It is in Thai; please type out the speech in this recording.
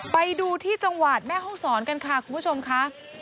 ไปดูที่จังหวัดแม่ห้องศรกันค่ะคุณผู้ชมค่ะ